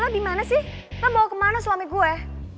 lo dimana sih lo bawa kemana suami gue